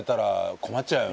困っちゃうよ。